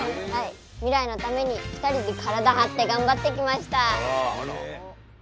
未来のために２人で体張って頑張ってきました。